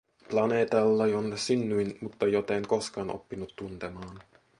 Planeetalla, jonne synnyin, mutta jota en koskaan oppinut tuntemaan.